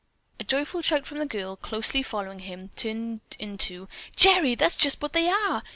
A joyful shout from the girl, closely following him, turned into "Gerry! That's just what they are!